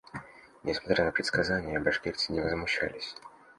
Несмотря на предсказания, башкирцы не возмущались.